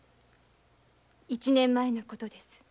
一年前のことです。